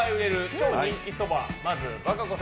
超人気そば。